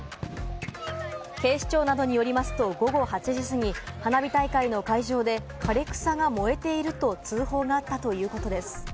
警視庁などによりますと午後８時過ぎ、花火大会の会場で、枯れ草が燃えていると通報があったということです。